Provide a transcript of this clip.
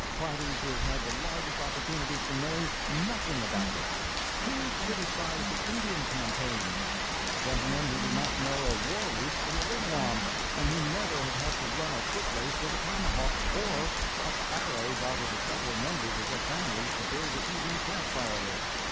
Parties who have had the largest opportunities for knowing nothing about it. Who criticize the Indian campaigns? Gentlemen who do not know a war whoop from a wigwam, and who never have had to run a foot race with a tomahawk, or pluck arrows out of the several members of their families to build the evening camp fire with.